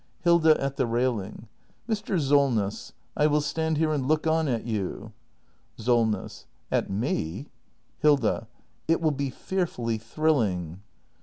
Hilda. [At the railing.] Mr. Solness, I will stand here and look on at you. Solness. At me! Hilda. It will be fearfully thrilling.